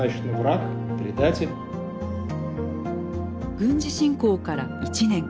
軍事侵攻から１年。